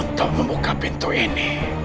untuk membuka pintu ini